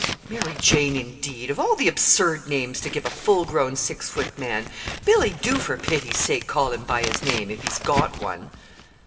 "Mary Jane, indeed! Of all the absurd names to give a full grown, six foot man! Billy, do, for pity's sake, call him by his name if he's got one."